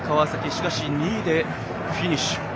しかし２位でフィニッシュ。